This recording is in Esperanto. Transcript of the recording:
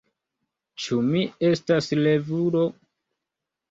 Ĉu mi estas revulo?